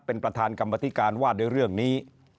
เป็นประธานกรรมธิการว่าด้วยเรื่องนี้